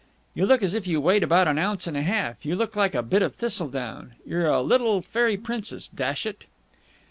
"You look as if you weighed about an ounce and a half. You look like a bit of thistledown! You're a little fairy princess, dash it!"